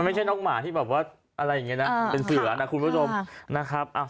มันไม่ใช่นอกหมาที่เป็นเสือนะคุณผู้ชม